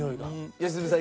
良純さん